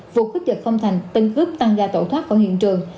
vụ khức giật không thành tình cướp tăng ra tổ thoát khỏi hiện trường